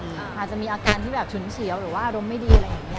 อาจจะมีอาการที่แบบฉุนเฉียวหรือว่าอารมณ์ไม่ดีอะไรอย่างนี้